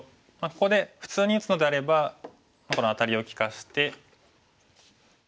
ここで普通に打つのであればこのアタリを利かして。